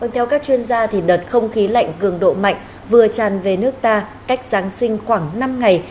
theo các chuyên gia đợt không khí lạnh cường độ mạnh vừa tràn về nước ta cách giáng sinh khoảng năm ngày